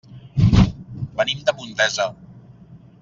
Venim de Montesa.